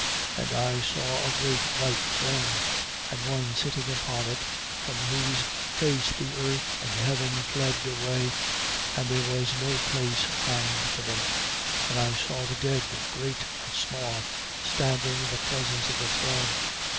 20:11. And I saw a great white throne and one sitting upon it, from whose face the earth and heaven fled away: and there was no place found for them 20:12. And I saw the dead, great and small, standing in the presence of the throne.